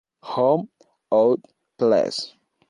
Home Out Places.